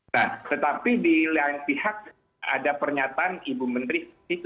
nah tetapi di lain pihak ada pernyataan ibu menteri